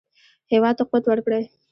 هېواد ته قوت ورکړئ